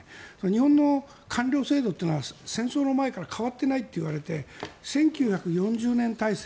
日本の官僚制度っていうのは戦争の前から変わっていないといわれて１９４０年体制。